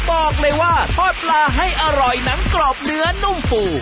บอกเลยว่าทอดปลาให้อร่อยหนังกรอบเนื้อนุ่มฟู